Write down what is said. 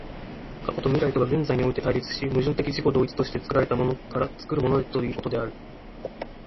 過去と未来とが現在において対立し、矛盾的自己同一として作られたものから作るものへということである。